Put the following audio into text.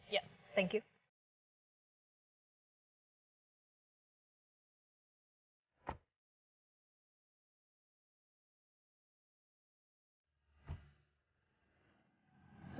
ya terima kasih